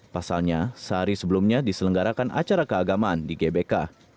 pasalnya sehari sebelumnya diselenggarakan acara keagamaan di gbk